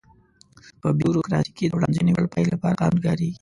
په بیوروکراسي کې د وړاندوينې وړ پایلې لپاره قانون کاریږي.